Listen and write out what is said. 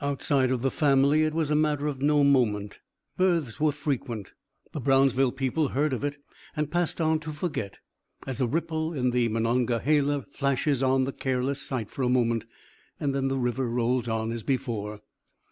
Outside of the family it was a matter of no moment. Births were frequent. The Brownsville people heard of it, and passed on to forget, as a ripple in the Monongahela flashes on the careless sight for a moment, then the river rolls on as before.